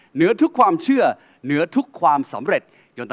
เหนือทุกความเชื่อเหนือทุกความสำเร็จ